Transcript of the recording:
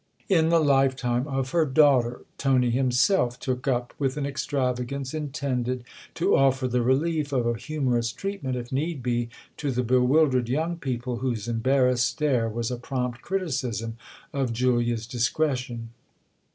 " In the lifetime of her daughter !" Tony himself took up with an extravagance intended to offer the relief of a humorous treatment, if need be, to the bewildered young people whose embarrassed stare was a prompt criticism of Julia's discretion.